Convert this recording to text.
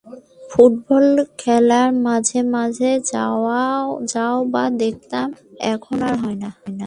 Football খেলা মাঝে মাঝে যাও বা দেখতাম এখন আর হয়না।